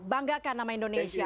banggakan nama indonesia